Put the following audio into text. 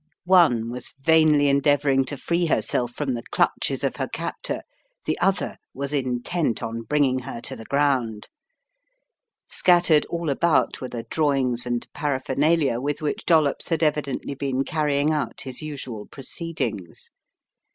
One was vainly endeavouring to free herself from the clutches of her captor, the other was intent on bringing her to the ground. Scattered all about were the drawings and paraphernalia with which Dollops had evidently been carrying out his usual proceedings.